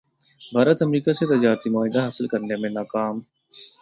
بھارت امریکا سے تجارتی معاہدہ حاصل کرنے میں ناکام